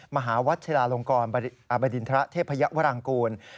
มหาวัชลาลงกรอบดินทระเทพยวรังกูล